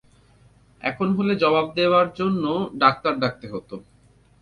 এখন হলে জবাব দেবার জন্যে ডাক্তার ডাকতে হত।